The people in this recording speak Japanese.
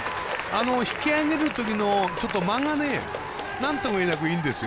引き上げるときの間がなんともいえなくいいんですよ。